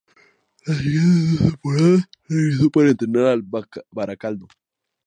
Las siguientes dos temporadas regresó para entrenar al Barakaldo.